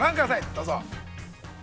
どうぞ。